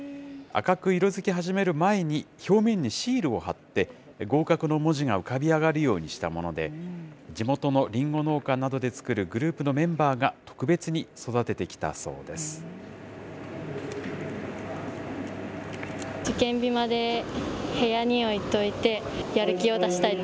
赤く色づき始める前に、表面にシールを貼って合格の文字が浮かび上がるようにしたもので、地元のりんご農家などで作るグループのメンバーが、特別に育ててきたそうです。